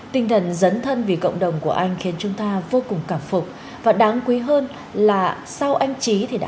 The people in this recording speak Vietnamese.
tinh thần dấn thân vì cộng đồng của anh khiến chúng ta vô cùng cảm phục và đáng quý hơn là sau anh trí thì đã